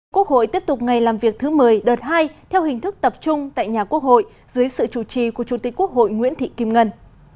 quốc hội tiếp tục ngày làm việc thứ một mươi đợt hai theo hình thức tập trung tại nhà quốc hội dưới sự chủ trì của chủ tịch quốc hội nguyễn thị kim ngân